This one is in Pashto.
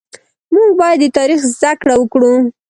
مونږ بايد د تاريخ زده کړه وکړو